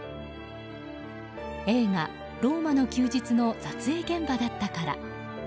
映画「ローマの休日」の撮影現場だったから。